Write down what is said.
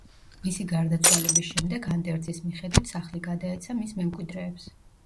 მისი გარდაცვალების შემდეგ ანდერძის მიხედვით სახლი გადაეცა მის მემკვიდრეებს.